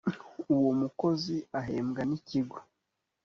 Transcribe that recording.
uwo mukozi ahembwa n’ ikigo